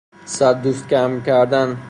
صد دوست کم کردن